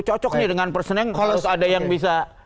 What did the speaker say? cocoknya dengan personel yang harus ada yang bisa